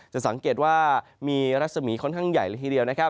จะสังเกตว่ามีรัศมีค่อนข้างใหญ่ละทีเดียว